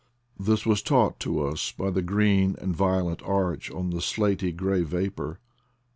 This was taught to us by the green and violent arch on the slaty gray vapor.